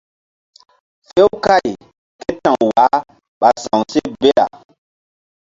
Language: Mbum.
Few kày ké ta̧w wah ɓa sa̧wseh bela.